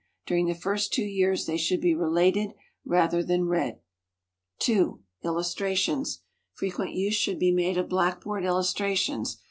During the first two years they should be related rather than read. 2. Illustrations. Frequent use should be made of blackboard illustrations.